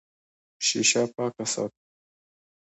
شیشه پاکه ساته.